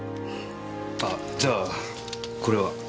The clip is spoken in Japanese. あじゃあこれは？